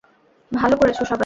ভালো করেছো সবাই।